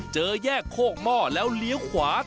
เจอแยกโคกหม้อแล้วเลี้ยวขวา